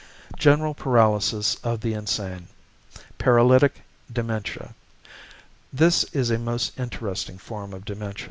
=General Paralysis of the Insane, Paralytic Dementia.= This is a most interesting form of dementia.